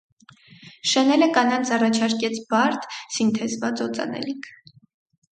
Շանելը կանանց առաջարկեց բարդ, սինթեզված օծանելիք։